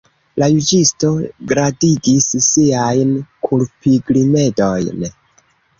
La juĝisto gradigis siajn kulpigrimedojn.